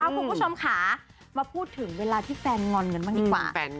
คุณผู้ชมค่ะมาพูดถึงเวลาที่แฟนงอนกันบ้างดีกว่า